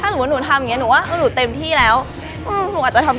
รายการต่อไปนี้เหมาะสำหรับผู้ชมที่มีอายุ๑๓ปีควรได้รับคำแนะนำ